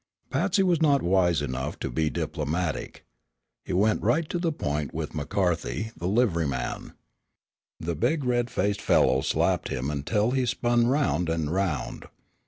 Patsy was not wise enough to be diplomatic. He went right to the point with McCarthy, the liveryman. The big red faced fellow slapped him until he spun round and round.